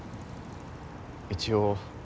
一応。